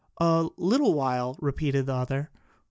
"A little while!" repeated the other.